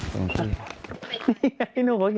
ตรงนี้